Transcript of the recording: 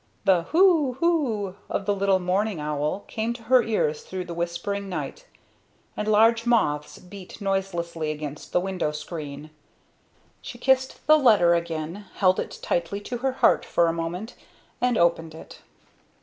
The "hoo! hoo!" of the little mourning owl came to her ears through the whispering night, and large moths beat noiselessly against the window screen. She kissed the letter again, held it tightly to her heart for a moment, and opened it.